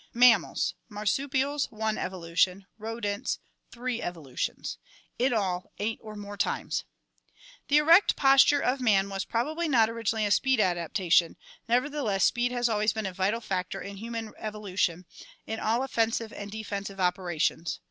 Mammals. Marsupials, one evolution. Rodents, three evolutions.2 In all, eight or more times. The erect posture of man was probably not originally a speed adaptation, nevertheless speed has always been a vital factor in human evolution, in all offensive and defensive operations.